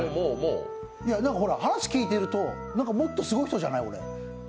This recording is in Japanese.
話、聞いてると、もっとすごい人じゃない？